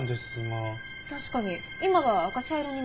確かに今は赤茶色に見えますね。